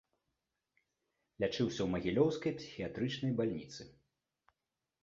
Лячыўся ў магілёўскай псіхіятрычнай бальніцы.